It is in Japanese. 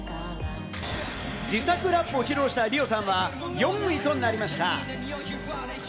自作ラップを披露したリオさんは４位となりました。